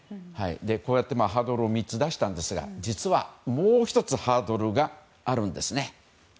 こうやってハードルを３つ出したんですが実はもう１つハードルがあるんですね。